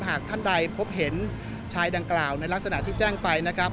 หากท่านใดพบเห็นชายดังกล่าวในลักษณะที่แจ้งไปนะครับ